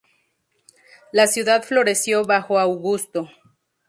La ciudad floreció bajo Augusto.